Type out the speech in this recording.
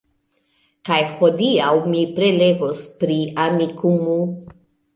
Kaj hodiaŭ mi prelegos pri Amikumu!